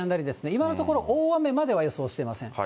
今のところ、大雨までは予想していません。